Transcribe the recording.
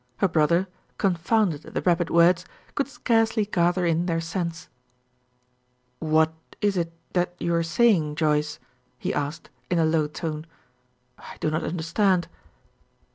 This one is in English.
Her brother, confounded at the rapid words, could scarcely gather in their sense. "What is it that you are saying, Joyce?" he asked, in a low tone. "I do not understand."